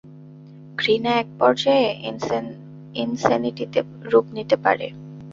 ঘৃণা এক পর্যায়ে ইনসেনিটিতে রূপ নিতে পারে।